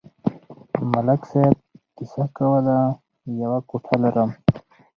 ملک صاحب کیسه کوله: یوه کوټه لرم.